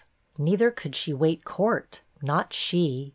Neither could she wait court, not she.